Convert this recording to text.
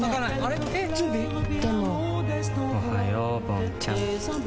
おはようぼんちゃん。